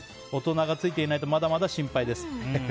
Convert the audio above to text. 大人がついていないとまだまだ心配です。